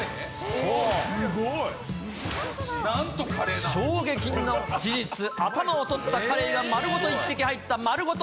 そう、衝撃の事実、頭を取ったカレイが丸ごと１匹入った丸ごと！！